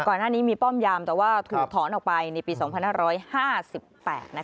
ก่อนหน้านี้มีป้อมยามแต่ว่าถูกถอนออกไปในปี๒๕๕๘นะคะ